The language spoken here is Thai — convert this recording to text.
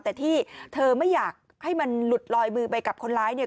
แต่ที่เธอไม่อยากให้มันหลุดลอยมือไปกับคนร้ายเนี่ย